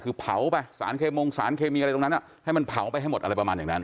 คือเผาไปสารเคมงสารเคมีอะไรตรงนั้นให้มันเผาไปให้หมดอะไรประมาณอย่างนั้น